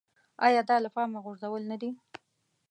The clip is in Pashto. ایا دا له پامه غورځول نه دي.